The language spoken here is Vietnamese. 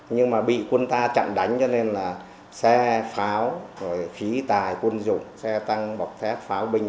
nhưng mà bị quân ta chặn đánh cho nên là xe pháo rồi khí tài quân dụng xe tăng bọc thép pháo binh